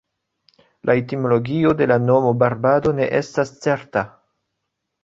La etimologio de la nomo "Barbado" ne estas certa.